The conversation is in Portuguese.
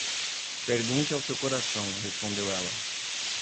Pergunte ao seu coração, respondeu ela.